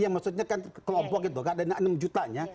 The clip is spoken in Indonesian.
ya maksudnya kan kelompok gitu gak ada enam juta nya